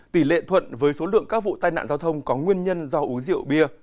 tỷ lệ thuận với số lượng các vụ tai nạn giao thông có nguyên nhân do uống rượu bia